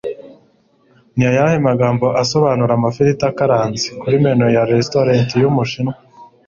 Ni ayahe magambo asobanura "Amafiriti akaranze" kuri menu ya Restaurant y'Ubushinwa